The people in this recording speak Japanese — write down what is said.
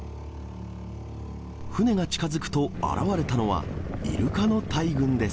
船が近づくと、現れたのはイルカの大群です。